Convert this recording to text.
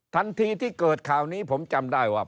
ทันทีที่เกิดข่าวนี้ผมจำได้ว่า